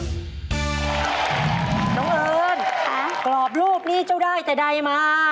น้องเอิญกรอบลูกนี่เจ้าได้แต่ใดมา